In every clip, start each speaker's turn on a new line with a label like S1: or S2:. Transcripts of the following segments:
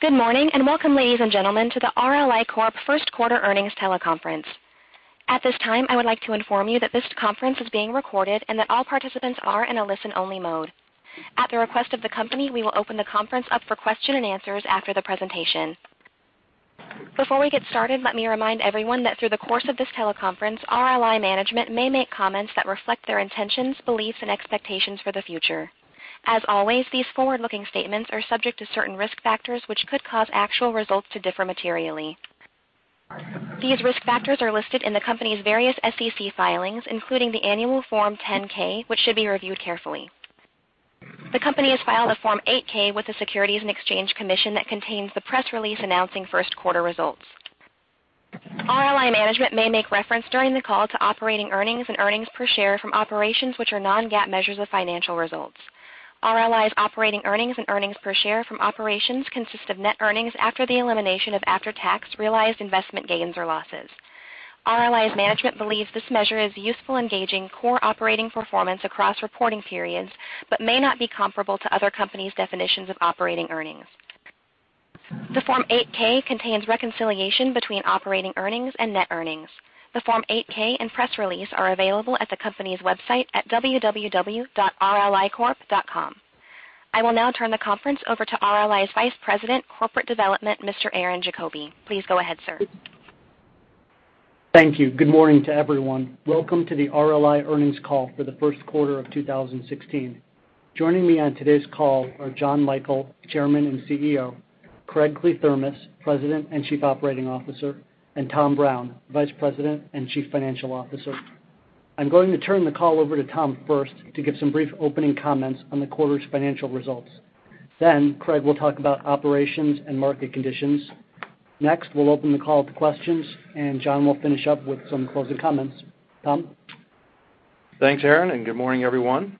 S1: Good morning, and welcome, ladies and gentlemen, to the RLI Corp first quarter earnings teleconference. At this time, I would like to inform you that this conference is being recorded and that all participants are in a listen-only mode. At the request of the company, we will open the conference up for question and answers after the presentation. Before we get started, let me remind everyone that through the course of this teleconference, RLI management may make comments that reflect their intentions, beliefs, and expectations for the future. As always, these forward-looking statements are subject to certain risk factors which could cause actual results to differ materially. These risk factors are listed in the company's various SEC filings, including the annual Form 10-K, which should be reviewed carefully. The company has filed a Form 8-K with the Securities and Exchange Commission that contains the press release announcing first quarter results. RLI management may make reference during the call to operating earnings and earnings per share from operations which are non-GAAP measures of financial results. RLI's operating earnings and earnings per share from operations consist of net earnings after the elimination of after-tax realized investment gains or losses. RLI's management believes this measure is useful in gauging core operating performance across reporting periods but may not be comparable to other companies' definitions of operating earnings. The Form 8-K contains reconciliation between operating earnings and net earnings. The Form 8-K and press release are available at the company's website at www.rlicorp.com. I will now turn the conference over to RLI's Vice President, Corporate Development, Mr. Aaron Jacoby. Please go ahead, sir.
S2: Thank you. Good morning to everyone. Welcome to the RLI earnings call for the first quarter of 2016. Joining me on today's call are Jon Michael, Chairman and CEO; Craig Kliethermes, President and Chief Operating Officer; and Thomas Brown, Vice President and Chief Financial Officer. I'm going to turn the call over to Tom first to give some brief opening comments on the quarter's financial results. Craig will talk about operations and market conditions. Next, we'll open the call to questions, and John will finish up with some closing comments. Tom?
S3: Thanks, Aaron, and good morning, everyone.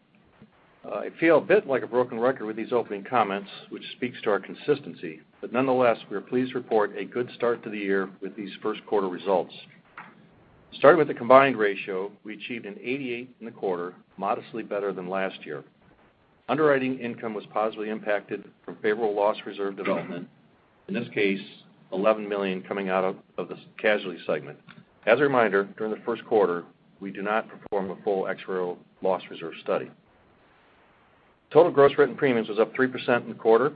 S3: I feel a bit like a broken record with these opening comments, which speaks to our consistency, but nonetheless, we are pleased to report a good start to the year with these first quarter results. Starting with the combined ratio, we achieved an 88 in the quarter, modestly better than last year. Underwriting income was positively impacted from favorable loss reserve development, in this case, $11 million coming out of the casualty segment. As a reminder, during the first quarter, we do not perform a full actuarial loss reserve study. Total gross written premiums was up 3% in the quarter.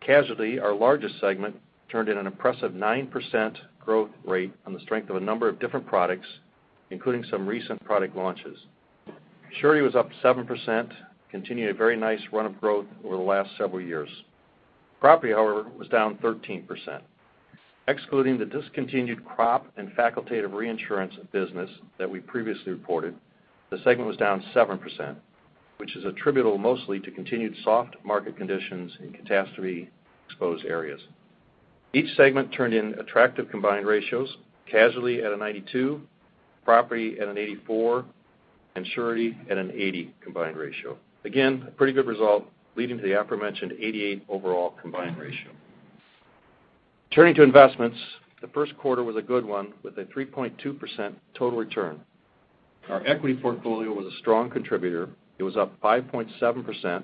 S3: Casualty, our largest segment, turned in an impressive 9% growth rate on the strength of a number of different products, including some recent product launches. Surety was up 7%, continuing a very nice run of growth over the last several years. Property, however, was down 13%. Excluding the discontinued crop and facultative reinsurance business that we previously reported, the segment was down 7%, which is attributable mostly to continued soft market conditions in catastrophe-exposed areas. Each segment turned in attractive combined ratios, casualty at a 92, property at an 84, and surety at an 80 combined ratio. Again, a pretty good result, leading to the aforementioned 88 overall combined ratio. Turning to investments, the first quarter was a good one with a 3.2% total return. Our equity portfolio was a strong contributor. It was up 5.7%, a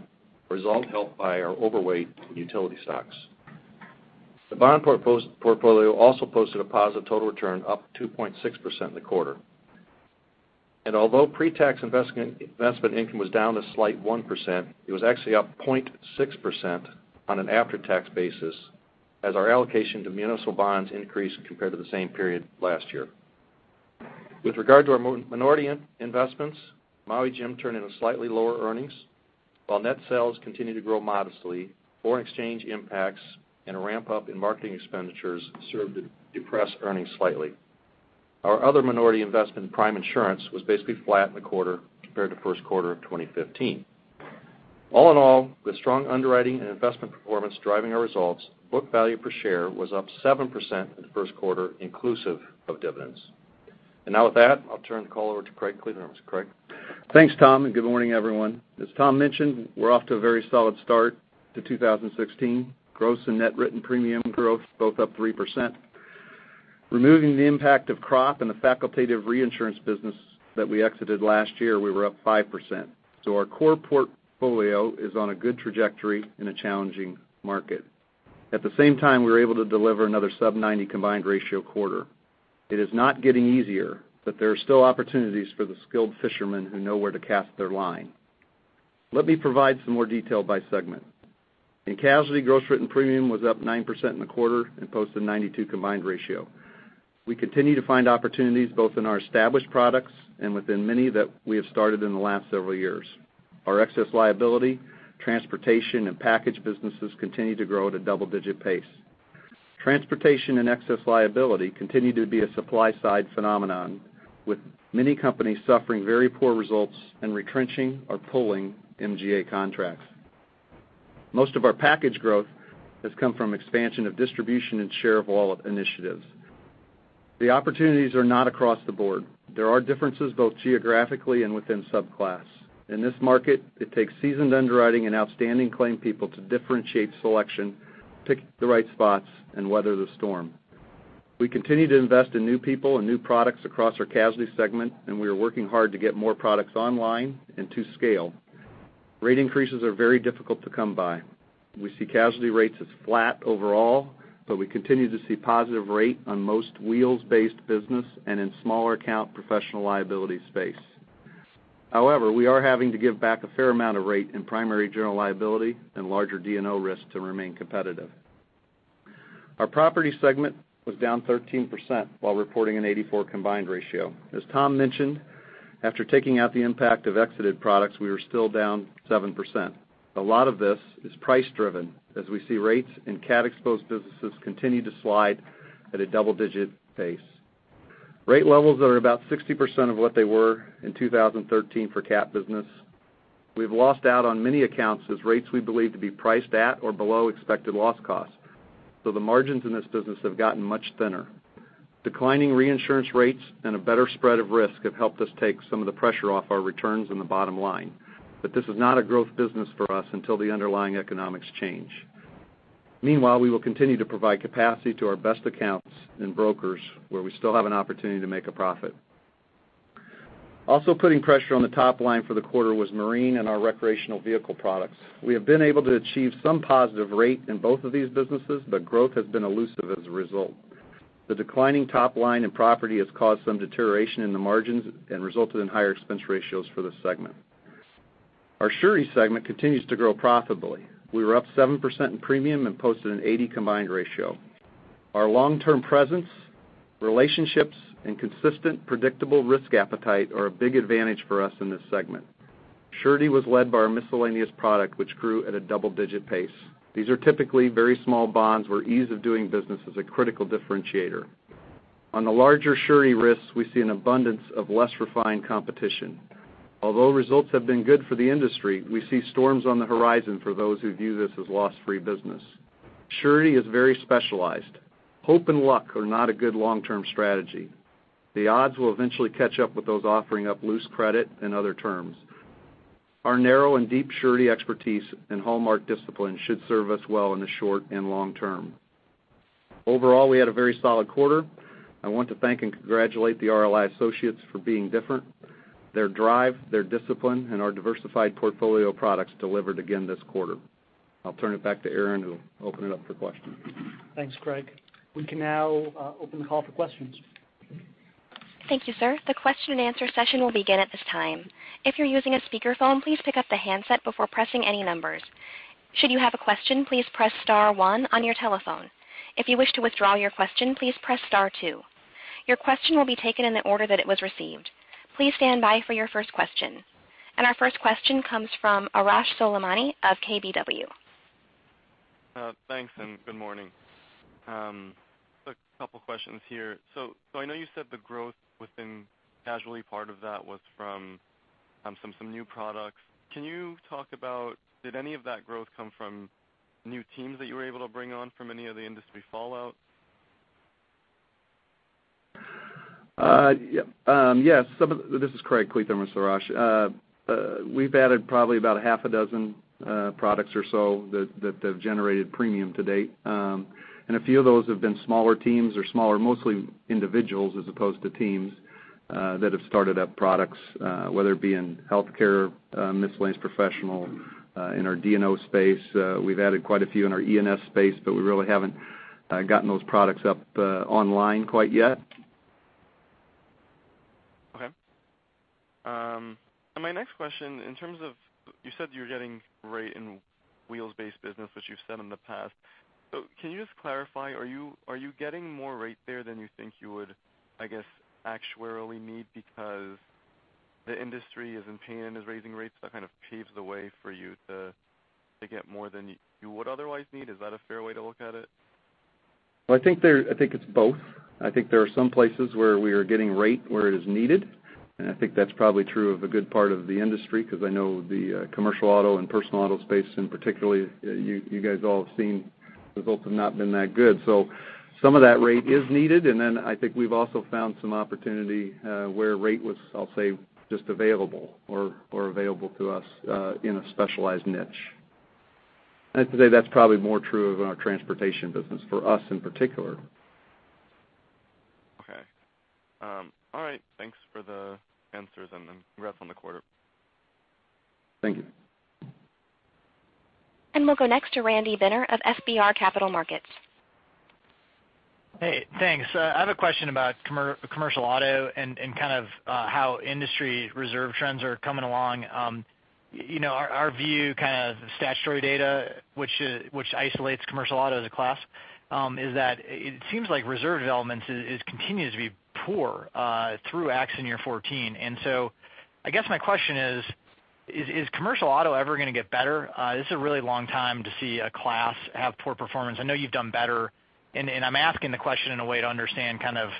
S3: result helped by our overweight in utility stocks. The bond portfolio also posted a positive total return, up 2.6% in the quarter. Although pre-tax investment income was down a slight 1%, it was actually up 0.6% on an after-tax basis as our allocation to municipal bonds increased compared to the same period last year. With regard to our minority investments, Maui Jim turned in slightly lower earnings. While net sales continued to grow modestly, foreign exchange impacts and a ramp-up in marketing expenditures served to depress earnings slightly. Our other minority investment in Prime Insurance was basically flat in the quarter compared to first quarter of 2015. All in all, with strong underwriting and investment performance driving our results, book value per share was up 7% in the first quarter, inclusive of dividends. Now with that, I'll turn the call over to Craig Kliethermes. Craig?
S4: Thanks, Tom, good morning, everyone. As Tom mentioned, we're off to a very solid start to 2016. Gross and net written premium growth both up 3%. Removing the impact of crop and the facultative reinsurance business that we exited last year, we were up 5%. Our core portfolio is on a good trajectory in a challenging market. At the same time, we were able to deliver another sub-90 combined ratio quarter. It is not getting easier, but there are still opportunities for the skilled fishermen who know where to cast their line. Let me provide some more detail by segment. In casualty, gross written premium was up 9% in the quarter and posted a 92 combined ratio. We continue to find opportunities both in our established products and within many that we have started in the last several years. Our excess liability, transportation, and package businesses continue to grow at a double-digit pace. Transportation and excess liability continue to be a supply-side phenomenon, with many companies suffering very poor results and retrenching or pulling MGA contracts. Most of our package growth has come from expansion of distribution and share of wallet initiatives. The opportunities are not across the board. There are differences both geographically and within subclass. In this market, it takes seasoned underwriting and outstanding claim people to differentiate selection, pick the right spots, and weather the storm. We continue to invest in new people and new products across our casualty segment. We are working hard to get more products online and to scale. Rate increases are very difficult to come by. We see casualty rates as flat overall, we continue to see positive rate on most wheels-based business and in smaller account professional liability space. We are having to give back a fair amount of rate in primary general liability and larger D&O risk to remain competitive. Our property segment was down 13% while reporting an 84 combined ratio. As Tom mentioned, after taking out the impact of exited products, we were still down 7%. A lot of this is price driven, as we see rates in cat-exposed businesses continue to slide at a double-digit pace. Rate levels are about 60% of what they were in 2013 for cat business. We've lost out on many accounts as rates we believe to be priced at or below expected loss cost. The margins in this business have gotten much thinner. Declining reinsurance rates and a better spread of risk have helped us take some of the pressure off our returns in the bottom line. This is not a growth business for us until the underlying economics change. Meanwhile, we will continue to provide capacity to our best accounts and brokers where we still have an opportunity to make a profit. Also putting pressure on the top line for the quarter was marine and our recreational vehicle products. We have been able to achieve some positive rate in both of these businesses, but growth has been elusive as a result. The declining top line in property has caused some deterioration in the margins and resulted in higher expense ratios for this segment. Our surety segment continues to grow profitably. We were up 7% in premium and posted an 80 combined ratio. Our long-term presence, relationships, and consistent predictable risk appetite are a big advantage for us in this segment. Surety was led by our miscellaneous product, which grew at a double-digit pace. These are typically very small bonds where ease of doing business is a critical differentiator. On the larger surety risks, we see an abundance of less refined competition. Although results have been good for the industry, we see storms on the horizon for those who view this as loss-free business. Surety is very specialized. Hope and luck are not a good long-term strategy. The odds will eventually catch up with those offering up loose credit and other terms. Our narrow and deep surety expertise and hallmark discipline should serve us well in the short and long term. Overall, we had a very solid quarter. I want to thank and congratulate the RLI associates for being different. Their drive, their discipline, and our diversified portfolio of products delivered again this quarter. I'll turn it back to Aaron, who will open it up for questions.
S2: Thanks, Craig. We can now open the call for questions.
S1: Thank you, sir. The question and answer session will begin at this time. If you're using a speakerphone, please pick up the handset before pressing any numbers. Should you have a question, please press star one on your telephone. If you wish to withdraw your question, please press star two. Your question will be taken in the order that it was received. Please stand by for your first question. Our first question comes from Arash Soleimani of KBW.
S5: Thanks. Good morning. A couple of questions here. I know you said the growth within casualty, part of that was from some new products. Can you talk about did any of that growth come from new teams that you were able to bring on from any of the industry fallout?
S4: Yes. This is Craig Kliethermes, Arash. We've added probably about a half a dozen products or so that have generated premium to date. A few of those have been smaller teams or smaller, mostly individuals, as opposed to teams that have started up products whether it be in healthcare, miscellaneous professional, in our D&O space. We've added quite a few in our E&S space, we really haven't gotten those products up online quite yet.
S5: Okay. My next question, in terms of, you said you're getting rate in wheels-based business, which you've said in the past. Can you just clarify, are you getting more rate there than you think you would, I guess, actuarially need because the industry is in pain as raising rates, that kind of paves the way for you to get more than you would otherwise need? Is that a fair way to look at it?
S4: I think it's both. I think there are some places where we are getting rate where it is needed, and I think that's probably true of a good part of the industry because I know the commercial auto and personal auto space, and particularly you guys all have seen results have not been that good. Some of that rate is needed, and then I think we've also found some opportunity where rate was, I'll say, just available or available to us in a specialized niche. I'd say that's probably more true of our transportation business for us in particular.
S5: Okay. All right. Thanks for the answers and congrats on the quarter.
S4: Thank you.
S1: We'll go next to Randy Binner of FBR & Co..
S6: Hey, thanks. I have a question about commercial auto and kind of how industry reserve trends are coming along. Our view, kind of statutory data, which isolates commercial auto as a class, is that it seems like reserve development continues to be poor through accident year 2014. I guess my question is commercial auto ever going to get better? This is a really long time to see a class have poor performance. I know you've done better, and I'm asking the question in a way to understand kind of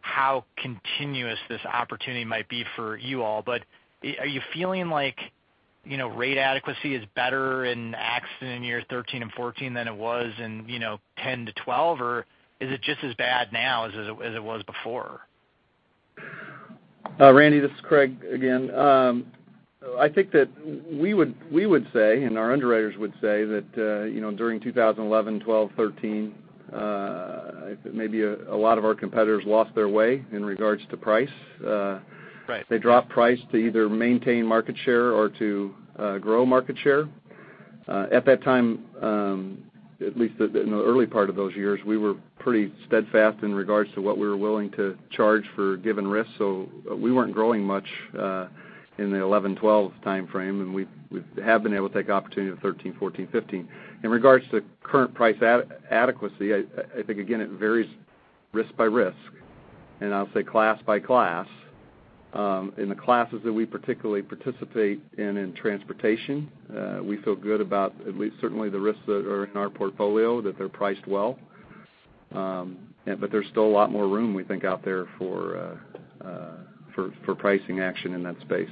S6: how continuous this opportunity might be for you all. Are you feeling like rate adequacy is better in accident year 2013 and 2014 than it was in 2010 to 2012? Or is it just as bad now as it was before?
S4: Randy, this is Craig again. I think that we would say, and our underwriters would say that, during 2011, 2012, 2013, maybe a lot of our competitors lost their way in regards to price.
S6: Right.
S4: They dropped price to either maintain market share or to grow market share. At that time, at least in the early part of those years, we were pretty steadfast in regards to what we were willing to charge for a given risk. We weren't growing much in the 2011, 2012 timeframe, and we have been able to take opportunity in 2013, 2014, 2015. In regards to current price adequacy, I think, again, it varies risk by risk, and I'll say class by class. In the classes that we particularly participate in transportation, we feel good about at least certainly the risks that are in our portfolio, that they're priced well. There's still a lot more room, we think, out there for pricing action in that space.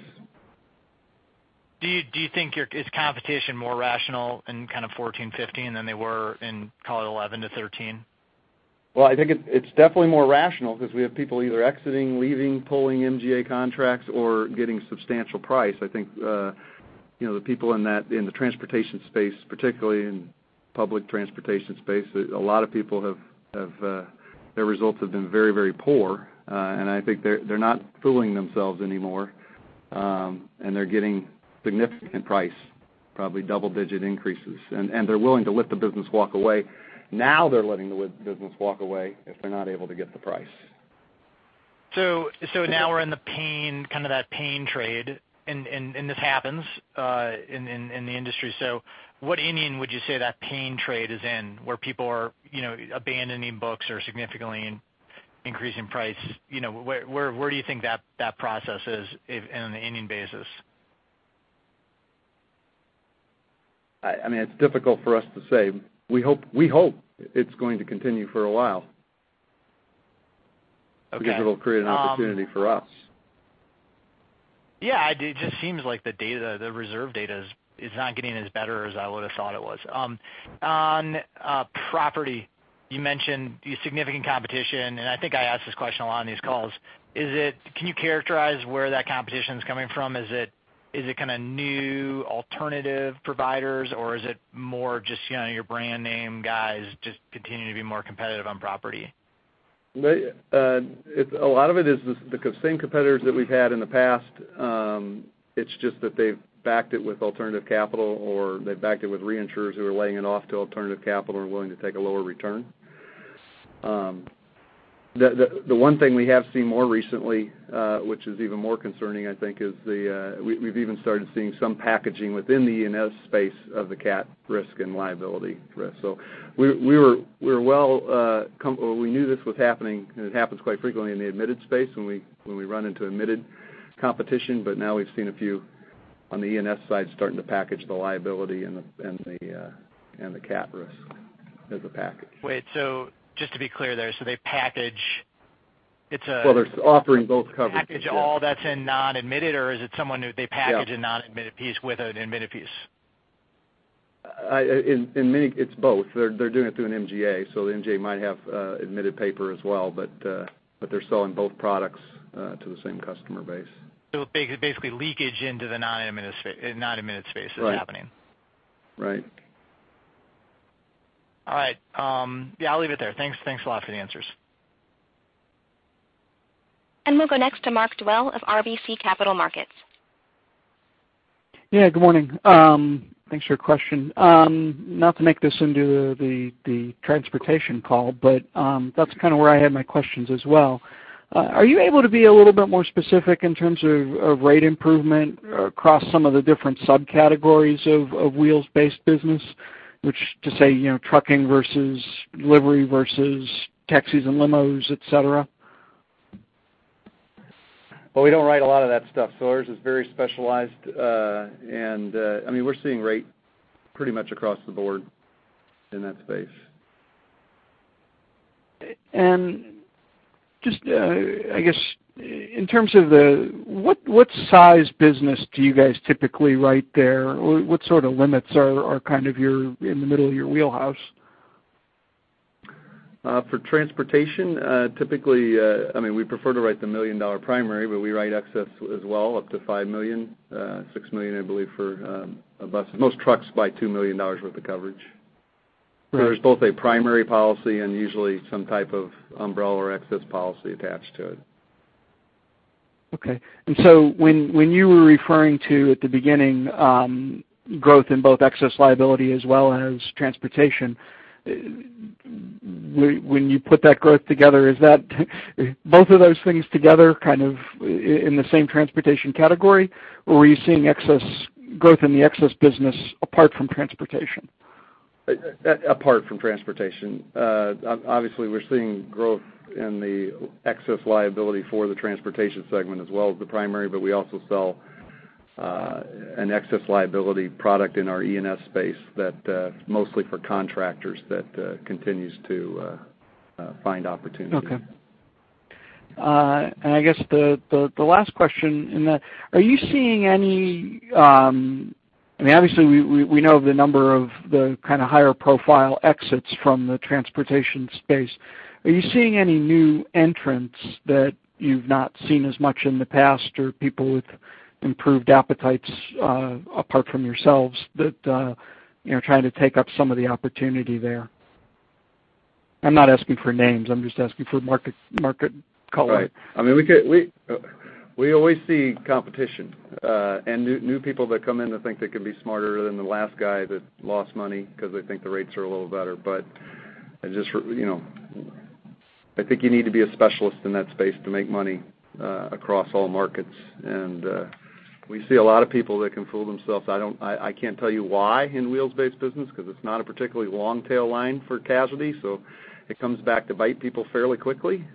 S6: Do you think is competition more rational in kind of 2014, 2015 than they were in, call it 2011 to 2013?
S4: Well, I think it's definitely more rational because we have people either exiting, leaving, pulling MGA contracts or getting substantial price. I think the people in the transportation space, particularly in public transportation space, a lot of people, their results have been very poor. I think they're not fooling themselves anymore, and they're getting significant price, probably double-digit increases, and they're willing to let the business walk away. Now they're letting the business walk away if they're not able to get the price.
S6: Now we're in the kind of that pain trade, and this happens in the industry. What inning would you say that pain trade is in, where people are abandoning books or significantly increasing price? Where do you think that process is on an inning basis?
S4: It's difficult for us to say. We hope it's going to continue for a while.
S6: Okay.
S4: Because it'll create an opportunity for us.
S6: It just seems like the reserve data is not getting as better as I would've thought it was. On property, you mentioned significant competition, and I think I ask this question a lot on these calls. Can you characterize where that competition's coming from? Is it kind of new alternative providers, or is it more just your brand name guys just continuing to be more competitive on property?
S4: A lot of it is the same competitors that we've had in the past. It's just that they've backed it with alternative capital, or they've backed it with reinsurers who are laying it off to alternative capital and willing to take a lower return. The one thing we have seen more recently, which is even more concerning, I think, is we've even started seeing some packaging within the E&S space of the cat risk and liability risk. We knew this was happening, and it happens quite frequently in the admitted space when we run into admitted competition. Now we've seen a few on the E&S side starting to package the liability and the cat risk as a package.
S6: Wait, just to be clear there, they package?
S4: Well, they're offering both coverages, yeah.
S6: Package all that's in non-admitted, or is it someone who they
S4: Yeah
S6: a non-admitted piece with an admitted piece?
S4: It's both. They're doing it through an MGA, the MGA might have admitted paper as well, but they're selling both products to the same customer base.
S6: Basically, leakage into the non-admitted space is happening.
S4: Right.
S6: All right. Yeah, I'll leave it there. Thanks a lot for the answers.
S1: We'll go next to Mark Dwelle of RBC Capital Markets.
S7: Yeah, good morning. Thanks for your question. Not to make this into the transportation call, but that's kind of where I had my questions as well. Are you able to be a little bit more specific in terms of rate improvement across some of the different subcategories of wheels-based business, which to say trucking versus delivery versus taxis and limos, et cetera?
S4: Well, we don't write a lot of that stuff, so ours is very specialized. We're seeing rate pretty much across the board in that space.
S7: Just, I guess in terms of what size business do you guys typically write there? What sort of limits are kind of in the middle of your wheelhouse?
S4: For transportation, typically, we prefer to write the million dollar primary, but we write excess as well, up to $5 million-$6 million, I believe, for a bus. Most trucks buy $2 million worth of coverage.
S7: Right.
S4: There's both a primary policy and usually some type of umbrella or excess policy attached to it.
S7: Okay. When you were referring to, at the beginning, growth in both excess liability as well as transportation, when you put that growth together, is that both of those things together kind of in the same transportation category, or are you seeing growth in the excess business apart from transportation?
S4: Apart from transportation. Obviously, we're seeing growth in the excess liability for the transportation segment as well as the primary, but we also sell an excess liability product in our E&S space that's mostly for contractors that continues to find opportunity.
S7: Okay. I guess the last question in that. I mean, obviously, we know the number of the kind of higher profile exits from the transportation space. Are you seeing any new entrants that you've not seen as much in the past, or people with improved appetites, apart from yourselves, that are trying to take up some of the opportunity there? I'm not asking for names, I'm just asking for market color.
S4: Right. We always see competition, and new people that come in that think they can be smarter than the last guy that lost money because they think the rates are a little better. I think you need to be a specialist in that space to make money across all markets. We see a lot of people that can fool themselves. I can't tell you why in wheels-based business, because it's not a particularly long tail line for casualty, so it comes back to bite people fairly quickly.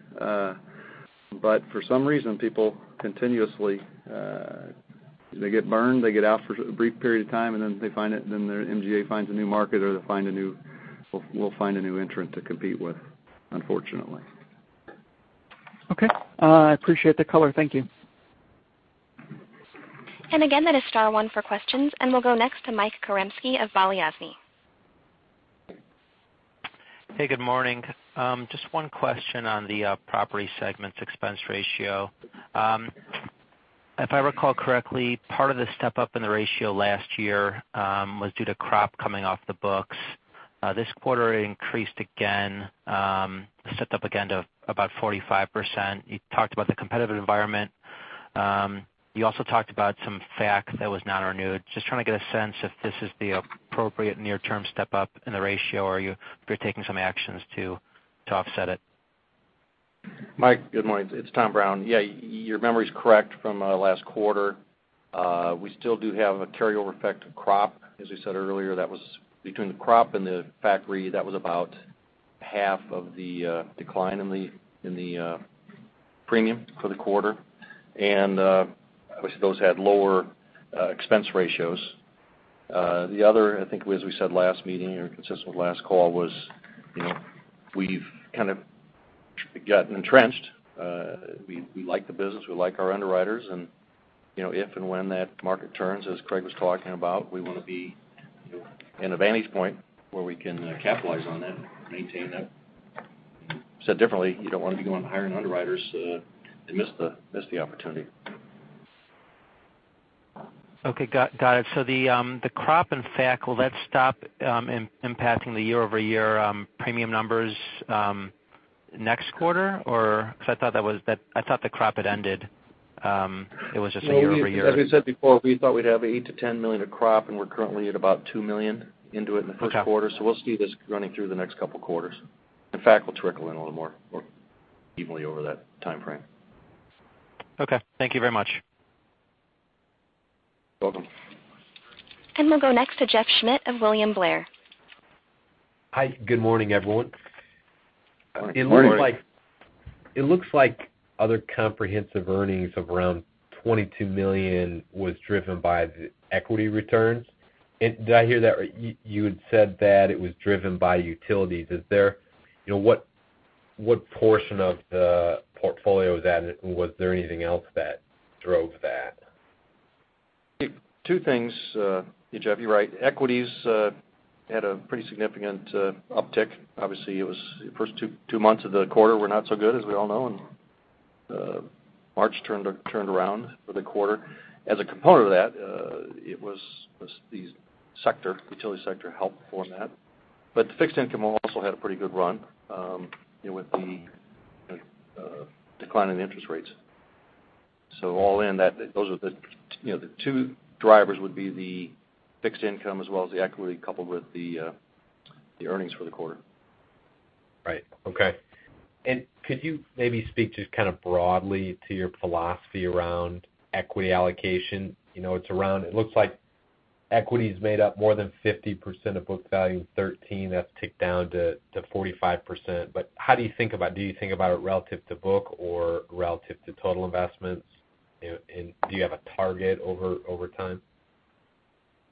S4: For some reason, people continuously, they get burned, they get out for a brief period of time, and then their MGA finds a new market, or we'll find a new entrant to compete with, unfortunately.
S7: Okay. I appreciate the color. Thank you.
S1: That is star one for questions, and we'll go next to Mike Zaremski of Balyasny.
S8: Hey, good morning. Just one question on the property segment's expense ratio. If I recall correctly, part of the step-up in the ratio last year was due to crop coming off the books. This quarter, it increased again, stepped up again to about 45%. You talked about the competitive environment. You also talked about some FAC that was not renewed. Just trying to get a sense if this is the appropriate near-term step-up in the ratio, or if you're taking some actions to offset it.
S3: Mike, good morning. It's Tom Brown. Yeah, your memory's correct from last quarter. We still do have a carryover effect of crop. As we said earlier, between the crop and the FAC, that was about half of the decline in the premium for the quarter. Obviously, those had lower expense ratios. The other, I think as we said last meeting or consistent with last call, was we've kind of gotten entrenched. We like the business, we like our underwriters, and if and when that market turns, as Craig was talking about, we want to be in a vantage point where we can capitalize on that and maintain that. Said differently, you don't want to be going hiring underwriters to miss the opportunity.
S8: Okay. Got it. The crop and FAC, will that stop impacting the year-over-year premium numbers next quarter? Because I thought the crop had ended. It was just a year-over-year.
S3: As we said before, we thought we'd have $8 million-$10 million of crop, and we're currently at about $2 million into it in the first quarter.
S8: Okay.
S3: We'll see this running through the next couple of quarters. FAC will trickle in a little more evenly over that timeframe.
S8: Okay. Thank you very much.
S3: You're welcome.
S1: We'll go next to Jeff Schmitt of William Blair.
S9: Hi. Good morning, everyone.
S3: Good morning.
S9: It looks like other comprehensive income of around $22 million was driven by the equity returns. Did I hear that right? You had said that it was driven by utilities. What portion of the portfolio is that? Was there anything else that drove that?
S3: Two things. Yeah, Jeff, you're right. Equities had a pretty significant uptick. Obviously, the first two months of the quarter were not so good, as we all know. March turned around for the quarter. As a component of that, it was the utility sector helped form that. Fixed income also had a pretty good run, with the decline in interest rates. All in, the two drivers would be the fixed income as well as the equity coupled with the earnings for the quarter.
S9: Right. Okay. Could you maybe speak just kind of broadly to your philosophy around equity allocation? It looks like equities made up more than 50% of book value in 2013. That's ticked down to 45%. How do you think about it? Do you think about it relative to book or relative to total investments? Do you have a target over time?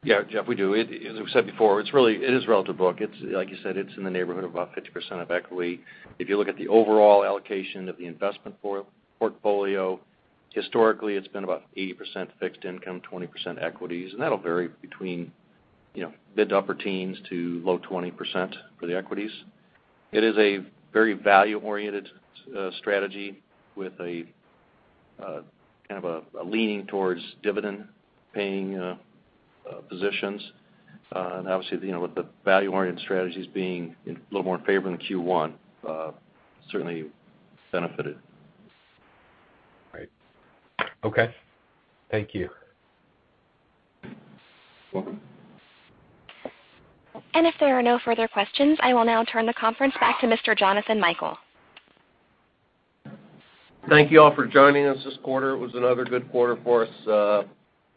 S3: Yeah, Jeff, we do. As we said before, it is relative to book. Like you said, it's in the neighborhood of about 50% of equity. If you look at the overall allocation of the investment portfolio, historically, it's been about 80% fixed income, 20% equities. That'll vary between mid to upper teens to low 20% for the equities. It is a very value-oriented strategy with a kind of a leaning towards dividend-paying positions. Obviously, with the value-oriented strategies being a little more in favor in Q1, certainly benefited.
S9: Right. Okay. Thank you.
S3: You're welcome.
S1: If there are no further questions, I will now turn the conference back to Mr. Jonathan Michael.
S10: Thank you all for joining us this quarter. It was another good quarter for us.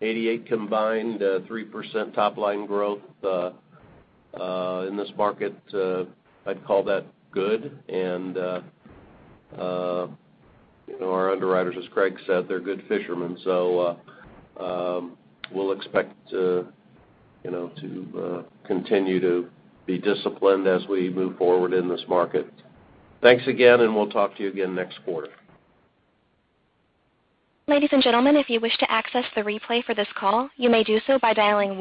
S10: 88 combined, 3% top-line growth. In this market, I'd call that good. Our underwriters, as Craig said, they're good fishermen. We'll expect to continue to be disciplined as we move forward in this market. Thanks again. We'll talk to you again next quarter.
S1: Ladies and gentlemen, if you wish to access the replay for this call, you may do so by dialing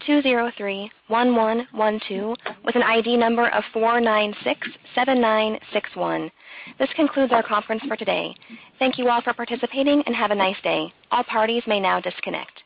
S1: 1-888-203-1112 with an ID number of 4967961. This concludes our conference for today. Thank you all for participating. Have a nice day. All parties may now disconnect.